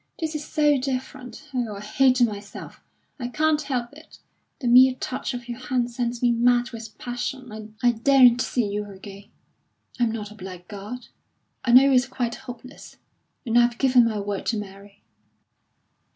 This is so different. Oh, I hate myself! I can't help it; the mere touch of your hand sends me mad with passion. I daren't see you again I'm not a blackguard. I know it's quite hopeless. And I've given my word to Mary."